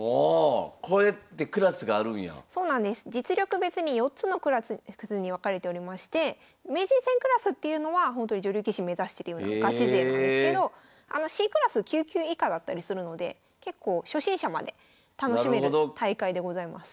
実力別に４つのクラスに分かれておりまして名人戦クラスっていうのはほんとに女流棋士目指してるようなガチ勢なんですけどＣクラス９級以下だったりするので結構初心者まで楽しめる大会でございます。